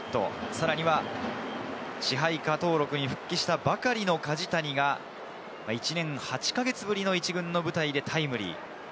さらには支配下登録に復帰したばかりの梶谷が１年８か月ぶりの１軍の舞台でタイムリー。